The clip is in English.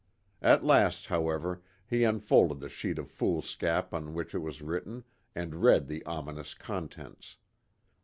At last, however, he unfolded the sheet of foolscap on which it was written, and read the ominous contents.